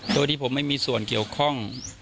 โดยที่ผมไม่มีส่วนเกี่ยวข้อง